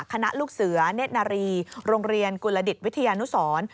ลูกเสือเนธนารีโรงเรียนกุลดิตวิทยานุสร